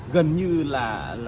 gần như là